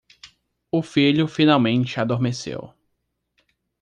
O filho finalmente adormeceu